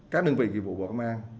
các đơn vị dịch vụ bộ công an